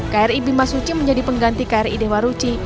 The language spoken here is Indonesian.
kri bimasuci menjadi pengganti kri dewaruchi